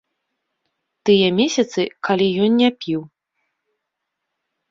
Тыя месяцы, калі ён не піў.